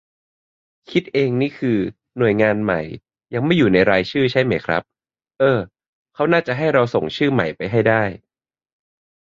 คิดเองนี่คือ หน่วยงานใหม่ ยังไม่อยู่ในรายชื่อใช่ไหมครับ เอ้อ เขาน่าจะให้เราส่งชื่อใหม่ไปให้ได้